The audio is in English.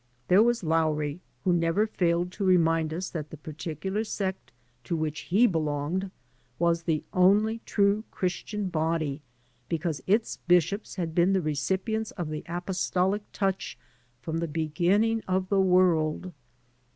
There was Lowry, who never failed to remind us that the particular sect to which he belonged was the only true Christian body because its bishops had been the recipients of the apostolic touch from the beginning of the world.